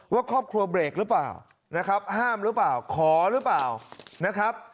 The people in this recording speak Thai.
ว่าครอบครัวเบรกหรือเปล่านะครับห้ามหรือเปล่าขอหรือเปล่านะครับ